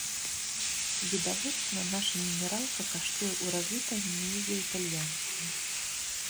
Відавочна, наша мінералка каштуе ў разы танней за італьянскую.